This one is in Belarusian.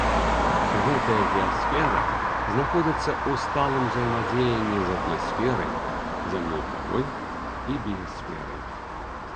Гэтая геасфера знаходзіцца ў сталым узаемадзеянні з атмасферай, зямной карой і біясферай.